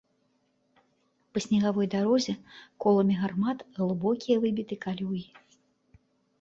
Па снегавой дарозе коламі гармат глыбокія выбіты калюгі.